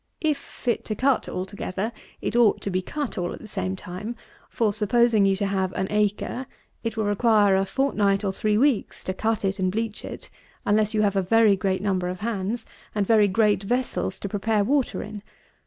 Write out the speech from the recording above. If fit to cut altogether, it ought to be cut all at the same time; for supposing you to have an acre, it will require a fortnight or three weeks to cut it and bleach it, unless you have a very great number of hands, and very great vessels to prepare water in.